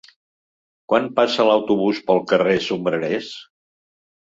Quan passa l'autobús pel carrer Sombrerers?